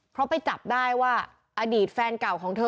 เพราะไปจับได้ว่าอดีตแฟนเก่าของเธอ